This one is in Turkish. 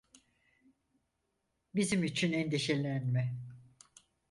Bizim için endişelenme.